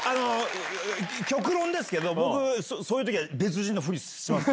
極論ですけど、僕、そういうときは別人のふりしますよ。